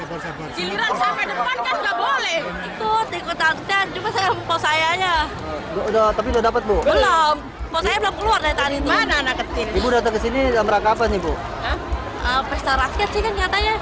pesan pesan yang diadakan oleh pemerintah dan pemerintah yang berpengalaman